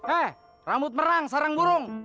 eh rambut merang sarang burung